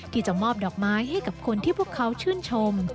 ที่จะมอบดอกไม้ให้กับคนที่พวกเขาชื่นชม